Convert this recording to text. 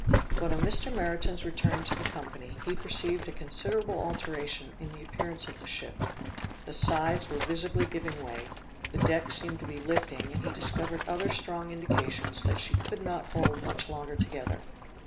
But on Mr. Meriton's return to the company, he perceived a considerable alteration in the appearance of the ship; the sides were visibly giving way; the deck seemed to be lifting and he discovered other strong indications that she could not hold much longer together.